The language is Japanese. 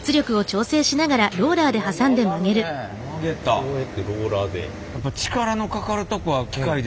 こうやってローラーで。